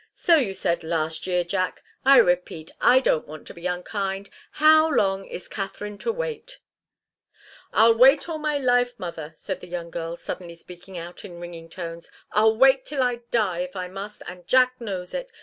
"So you said last year, Jack. I repeat I don't want to be unkind. How long is Katharine to wait?" "I'll wait all my life, mother," said the young girl, suddenly speaking out in ringing tones. "I'll wait till I die, if I must, and Jack knows it.